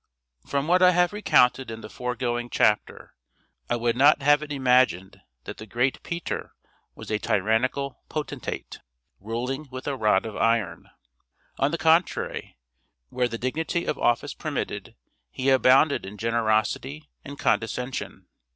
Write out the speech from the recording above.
From what I have recounted in the foregoing chapter, I would not have it imagined that the great Peter was a tyrannical potentate, ruling with a rod of iron. On the contrary, where the dignity of office permitted, he abounded in generosity and condescension.